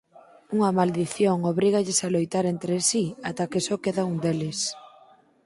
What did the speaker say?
Unha maldición obrígalles a loitar entre si ata que só quede un deles.